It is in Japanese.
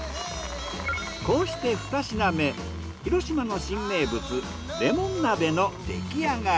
こうして２品目広島の新名物レモン鍋の出来上がり。